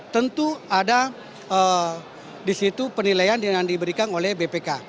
tentu ada di situ penilaian yang diberikan oleh bpk